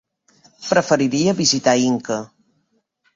Preferiria visitar Inca.